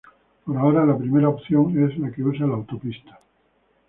Por ahora, la primera opción, es la que usa la autopista.